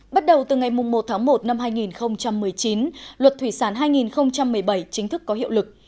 bắt đầu từ ngày một tháng một năm hai nghìn một mươi chín luật thủy sản hai nghìn một mươi bảy chính thức có hiệu lực